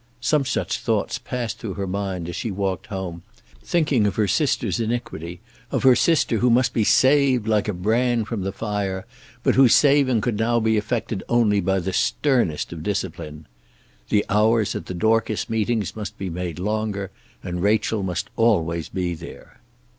Some such thoughts passed through her mind as she walked home, thinking of her sister's iniquity, of her sister who must be saved, like a brand from the fire, but whose saving could now be effected only by the sternest of discipline. The hours at the Dorcas meetings must be made longer, and Rachel must always be there.